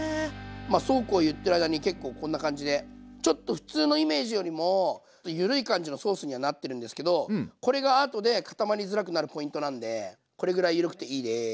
まあそうこう言ってる間に結構こんな感じでちょっと普通のイメージよりもゆるい感じのソースにはなってるんですけどこれが後で固まりづらくなるポイントなんでこれぐらいゆるくていいです。